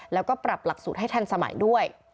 แล้วก็ปรับหลักสูตรให้ทันสมัยด้วย